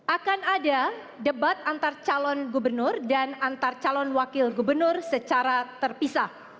akan ada debat antar calon gubernur dan antar calon wakil gubernur secara terpisah